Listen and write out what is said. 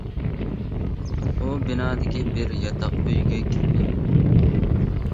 ئۇ بىنادىكى بىر ياتاق ئۆيگە كىردى.